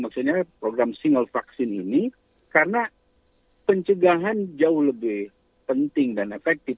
maksudnya program single vaksin ini karena pencegahan jauh lebih penting dan efektif